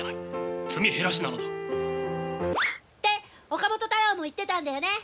岡本太郎も言ってたんだよね！